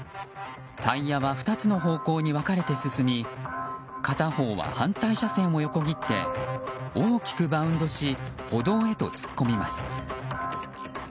タイヤは２つの方向に分かれて進み片方は反対車線を横切って大きくバウンドし歩道へと突っ込みます。